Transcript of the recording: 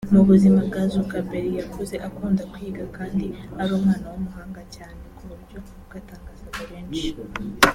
Mu buzima bwa Zuckerberg yakuze akunda kwiga kandi ari umwana w’umuhanga cyane ku buryo bwatangazaga benshi